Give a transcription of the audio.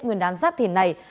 nguyên đán giáp thìn này